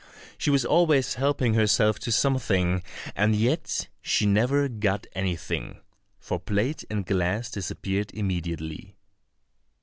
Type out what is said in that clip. She was always helping herself to something, and yet she never got anything, for plate and glass disappeared immediately.